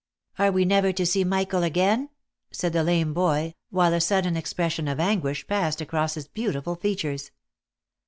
" Are we never to see Michael again ?" said the lame boy, while a sudden expression of anguish passed across his beautiful features.